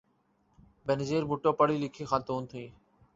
بینظیر بھٹو پڑھی لکھی خاتون تھیں۔